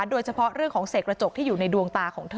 โดยเฉพาะเรื่องของเสกระจกที่อยู่ในดวงตาของเธอ